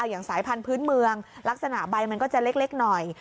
อย่างสายพันธุ์พื้นเมืองลักษณะใบมันก็จะเล็กหน่อย